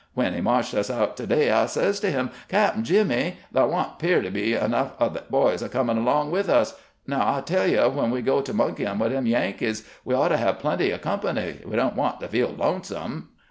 When he marched us out to day I says to him : 'Cap'n Jimmy, thah don't 'pear to be enough of the boys a comin' along with us. Now I tell you, when we go to monkejdn' with them Yankees we ought to have plenty o' company; we don't want to feel lonesome.'